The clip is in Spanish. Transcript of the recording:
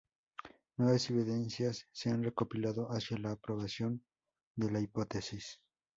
Nuevas evidencias se han recopilado hacia la aprobación de la hipótesis.